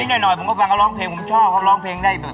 หน่อยผมก็ฟังเขาร้องเพลงผมชอบเขาร้องเพลงได้แบบ